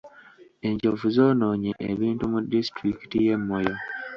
Enjovu zoonoonye ebintu mu disitulikiti y'e Moyo.